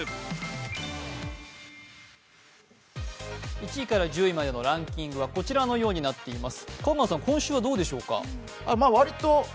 １位から１０位までのランキングはこちらのようになっています。